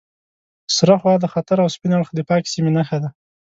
سره خوا د خطر او سپین اړخ د پاکې سیمې نښه ده.